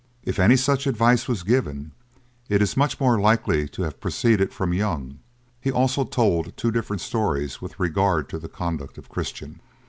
If any such advice was given, it is much more likely to have proceeded from Young. He also told two different stories with regard to the conduct of Christian.